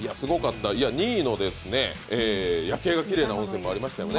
２位の夜景がきれいな温泉もありましたよね。